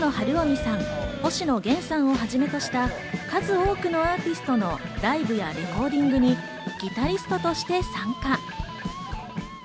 ソロ活動のほか、細野晴臣さん、星野源さんをはじめとした数多くのアーティストのライブやレコーディングにギタリストとして参加。